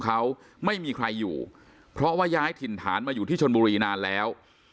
เขาไม่มีใครอยู่เพราะว่าย้ายถิ่นฐานมาอยู่ที่ชนบุรีนานแล้ว